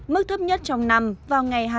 mức thấp nhất trong năm vào ngày hai mươi